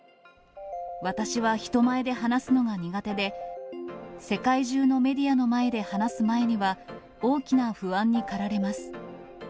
私は人前で話すのが苦手で、世界中のメディアの前で話す前には、大きな不安にかられます。